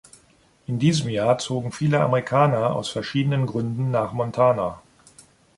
In diesen Jahren zogen viele Amerikaner aus verschiedenen Gründen nach Montana.